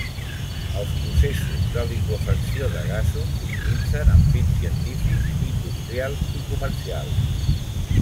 Els processos de liqüefacció de gasos s'utilitzen amb fins científics, industrials i comercials.